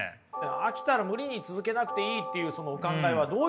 飽きたら無理に続けなくていいっていうそのお考えはどういうことなのか？